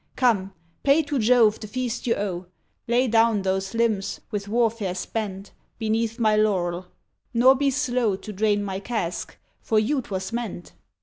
Come, pay to Jove the feast you owe; Lay down those limbs, with warfare spent, Beneath my laurel; nor be slow To drain my cask; for you 'twas meant.